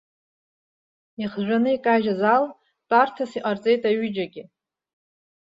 Ихжәаны икажьыз ал тәарҭас иҟарҵеит аҩыџьагьы.